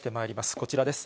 こちらです。